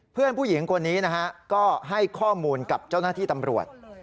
เพื่อนผู้หญิงคนนี้นะฮะก็ให้ข้อมูลกับเจ้าหน้าที่ตำรวจ